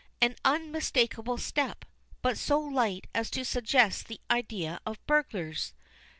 An unmistakable step, but so light as to suggest the idea of burglars.